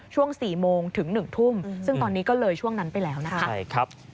ช่วง๔โมงถึง๑ทุ่มซึ่งตอนนี้ก็เลยช่วงนั้นไปแล้วนะคะใช่ครับ